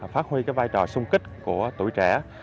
phát huy vai trò sung kích của tuổi trẻ